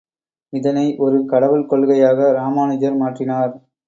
இதனை ஒரு கடவுள் கொள்கையாக ராமானுஜர் மாற்றினார்.